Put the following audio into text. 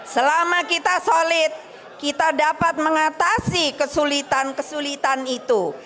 selama kita solid kita dapat mengatasi kesulitan kesulitan itu